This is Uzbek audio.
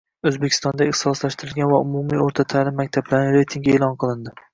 O‘zbekistondagi ixtisoslashtirilgan va umumiy o‘rta ta’lim maktablarining reytingi e’lon qilindi